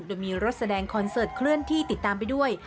โดยมีรถแสดงคอนเสิร์ตเคลื่อนที่ติดตามไปด้วย